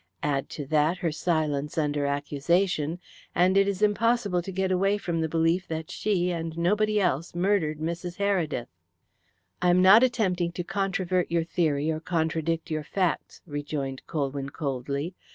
Add to that, her silence under accusation, and it is impossible to get away from the belief that she, and nobody else, murdered Mrs. Heredith." "I am not attempting to controvert your theory or contradict your facts," rejoined Colwyn coldly.